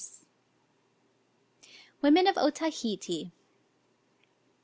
WOMEN OF OTAHEITE.